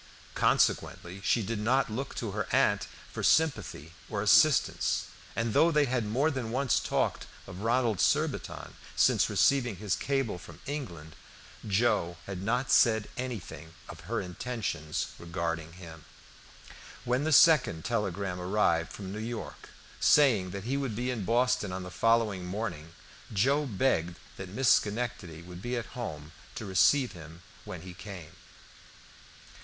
Consequently she did not look to her aunt for sympathy or assistance, and though they had more than once talked of Ronald Surbiton since receiving his cable from England, Joe had not said anything of her intentions regarding him. When the second telegram arrived from New York, saying that he would be in Boston on the following morning, Joe begged that Miss Schenectady would be at home to receive him when he came.